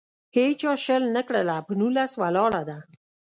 هیچا شل نه کړله. په نولس ولاړه ده.